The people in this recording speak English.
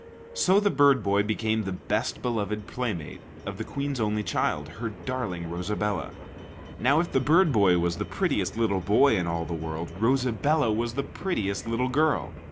So the bird boy became the best beloved playmate of the Queen's only child, her darling Rosabella. Now, if the bird boy was the prettiest little boy in all the world, Rosabella was the prettiest little girl.